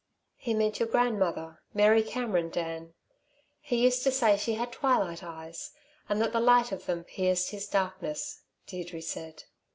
"He meant your grandmother Mary Cameron, Dan. He used to say she had twilight eyes; and that the light of them pierced his darkness," Deirdre said.